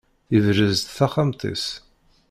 Yebrez-d taxxamt-is?